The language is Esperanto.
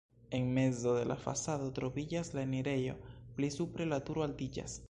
En mezo de la fasado troviĝas la enirejo, pli supre la turo altiĝas.